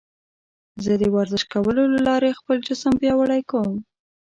زه د ورزش کولو له لارې خپل جسم پیاوړی کوم.